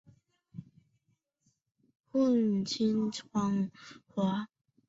小森幼年时曾随左翼社会活动家的父亲访华。